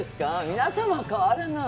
皆様も変わらない。